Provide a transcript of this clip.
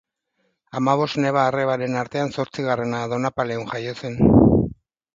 Hamabost neba-arrebaren artean zortzigarrena, Donapaleun jaio zen.